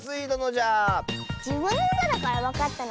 じぶんのうただからわかったのかもね。